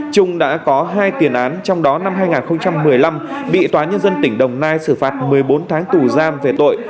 trung đã có hai tiền án trong đó năm hai nghìn một mươi năm bị tòa nhân dân tỉnh đồng nai xử phạt một mươi bốn tháng tù giam về tội